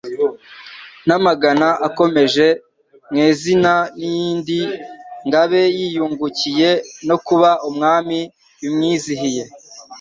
N' amagana akomoje MweziN' iyindi ngabe yiyungukiye No kuba umwami bimwizihiye